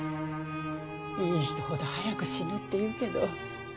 いい人ほど早く死ぬっていうけど。